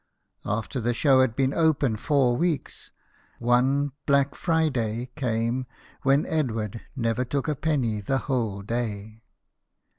After the show had been open four weeks, one black Friday came when Edward never took a penny the whole day.